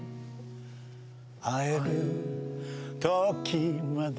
「逢える時まで」